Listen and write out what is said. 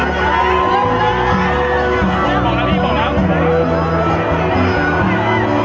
สวัสดีสวัสดีสวัสดี